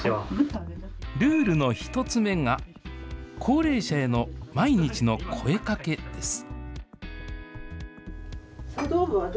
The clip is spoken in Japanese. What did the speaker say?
ルールの１つ目が、高齢者への毎日の声かけです。